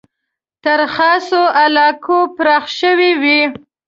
تر خاصو علاقو پراخ شوی وي.